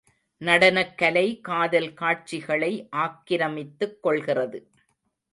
நடனக் கலை காதல் காட்சிகளை ஆக்கிரமித்துக் கொள்கிறது.